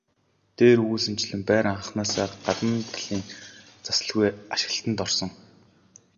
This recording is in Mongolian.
Дээр өгүүлсэнчлэн байр анхнаасаа гадна талын засалгүй ашиглалтад орсон.